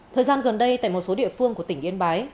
thời gian gần đây tại một số địa phương của tỉnh yên bái